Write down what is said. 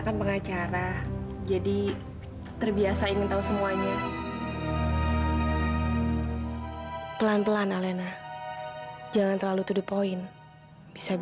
sampai jumpa di video selanjutnya